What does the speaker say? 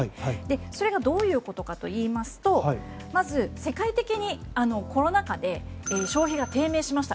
それがどういうことかといいますとまず、世界的にコロナ禍で消費が低迷しました。